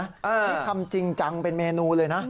นี่ทำจริงจังเป็นเมนูเลยนะ